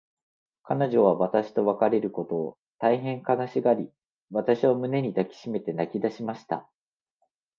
彼女は私と別れることを、大へん悲しがり、私を胸に抱きしめて泣きだしました。